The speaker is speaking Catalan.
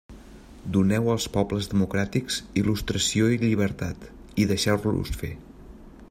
Doneu als pobles democràtics il·lustració i llibertat, i deixeu-los fer.